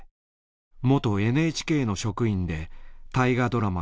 元ＮＨＫの職員で大河ドラマ